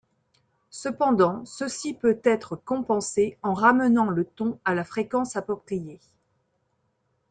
Cependant, ceci peut être compensé en ramenant le ton à la fréquence appropriée.